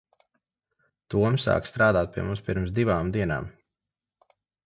Toms sāka strādāt pie mums pirms divām dienām.